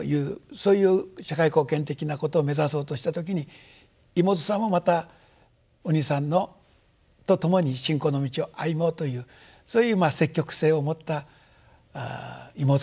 そういう社会貢献的なことを目指そうとした時に妹さんもまたお兄さんと共に信仰の道を歩もうというそういう積極性を持った妹さんでおありになった。